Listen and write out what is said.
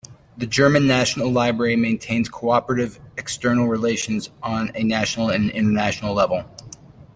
The German National Library maintains co-operative external relations on a national and international level.